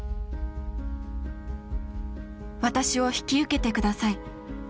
「私を引き受けて下さい」。